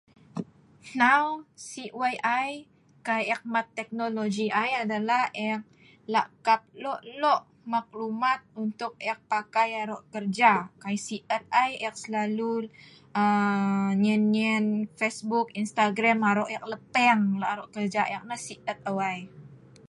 hnau si' wei ai, kai eek mat teknologi ai adalah eek lak kap lok lok maklumat untuk eek pakai arok kerja, kai si' et ai eek slalu aa nyein facebook, instagram arok eek lepeng lak arok kerja eek nah si' et' eu ai